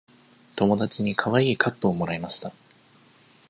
友達にかわいいカップをもらいました。